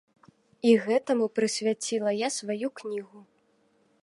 І гэтаму прысвяціла я сваю кнігу.